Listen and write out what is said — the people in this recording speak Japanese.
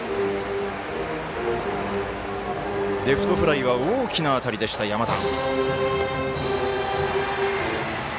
レフトフライは大きな当たりでした、山田。